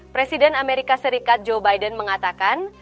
presiden amerika serikat joe biden mengatakan